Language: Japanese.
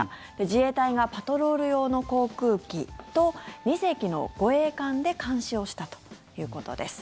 自衛隊がパトロール用の航空機と２隻の護衛艦で監視をしたということです。